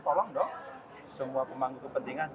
tolong dong semua pemangku kepentingan